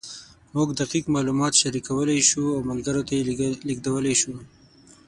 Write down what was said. موږ دقیق معلومات شریکولی شو او ملګرو ته یې لېږدولی شو.